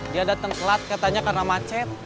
dia datang selat katanya karena macet